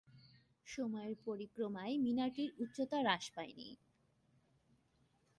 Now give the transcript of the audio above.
সময়ের পরিক্রমায় মিনারটির উচ্চতা হ্রাস পায়নি।